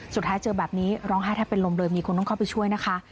สุดท้ายเจอแบบนี้ร้องไห้แทบเป็นลมเลยมีคนต้องเข้าไปช่วยนะคะ